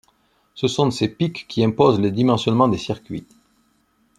Ce sont ces pics qui imposent les dimensionnements des circuits.